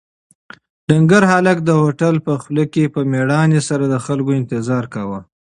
ډنکر هلک د هوټل په خوله کې په مېړانې سره د خلکو انتظار کاوه.